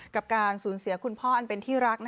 กับการสูญเสียคุณพ่ออันเป็นที่รัก